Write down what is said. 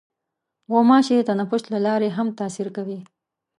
غوماشې د تنفس له لارې هم تاثیر کوي.